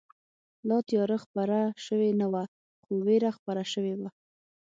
لا تیاره خپره شوې نه وه، خو وېره خپره شوې وه.